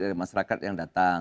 dari masyarakat yang datang